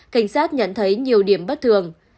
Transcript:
cảnh sát nhận thấy nhiều điểm bất thường